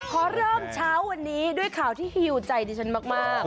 ขอเริ่มเช้าวันนี้ด้วยข่าวที่ฮิวใจดิฉันมาก